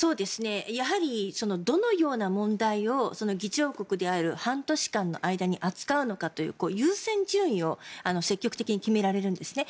やはり、どのような問題を議長国である半年間の間に扱うのかという優先順位を積極的に決められるんですね。